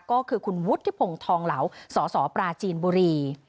ก็คือคุณวุฒิพงศ์ทองเหลาสสปราจีนบุรี